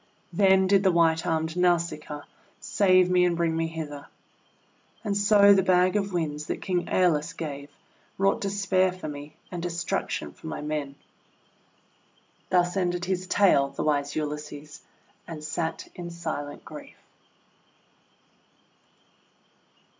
Then did the white armed Nausicaa save me and bring me hither. And so the bag of Winds that King ^Eolus gave, wrought despair for me and destruction for my men. Thus ended his tale, the wise Ulysses, and sat in silent grief.